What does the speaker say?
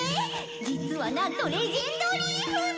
実はなんと『レジェンドリーフ』の」。